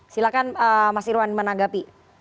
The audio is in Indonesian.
silahkan mas irwan menanggapi